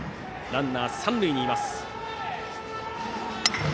ランナーは三塁にいます。